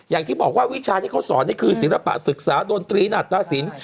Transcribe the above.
อย่างที่บอกว่าวิชาที่เขาสอนนี่คือศิลปะศึกษาดนตรีนาตสิน